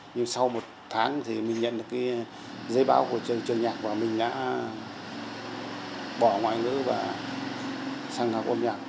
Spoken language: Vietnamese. nhưng sau một tháng thì mình nhận được cái giấy báo của trường nhạc và mình đã bỏ ngoại ngữ và sàng lọc âm nhạc